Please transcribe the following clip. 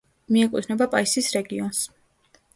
მიეკუთვნება პაისის რეგიონს.